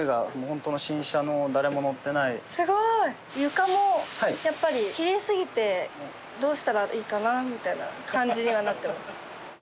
床もやっぱりきれいすぎてどうしたらいいかなみたいな感じにはなってます。